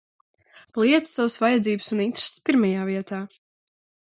Liec savas vajadzības un intereses pirmajā vietā!